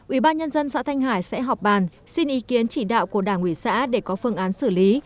ủy ban nhân dân xã thanh hải sẽ họp bàn xin ý kiến chỉ đạo của đảng ủy xã để có phương án xử lý